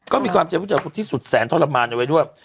ก็มีความเสพป่วยที่สุดแสนทรมานไว้ด้วย